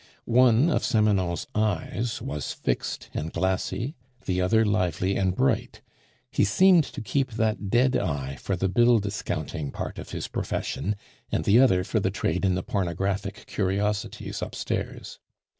One of Samanon's eyes was fixed and glassy, the other lively and bright; he seemed to keep that dead eye for the bill discounting part of his profession, and the other for the trade in the pornographic curiosities upstairs.